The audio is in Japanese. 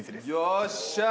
よっしゃー！